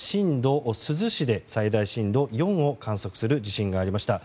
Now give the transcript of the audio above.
珠洲市で最大震度４を観測する地震がありました。